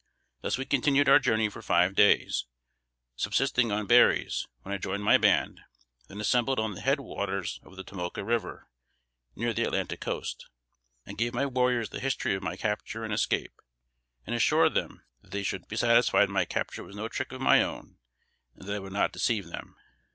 Thus we continued our journey for five days, subsisting on berries, when I joined my band, then assembled on the head waters of the Tomoka River, near the Atlantic coast. I gave my warriors the history of my capture and escape, and assured them that they should be satisfied my capture was no trick of my own, and that I would not deceive them."